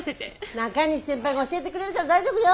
中西先輩が教えてくれるから大丈夫よ！